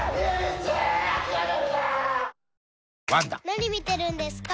・何見てるんですか？